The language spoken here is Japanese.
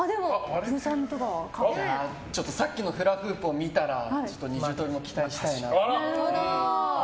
さっきのフラフープを見たら二重跳びも期待したいなと。